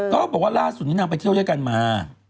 ก็บอกว่าล่าสุดนี้นางไปเที่ยวด้วยกันมา